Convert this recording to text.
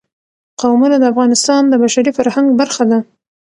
قومونه د افغانستان د بشري فرهنګ برخه ده.